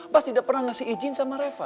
bas tidak pernah ngasih izin sama reva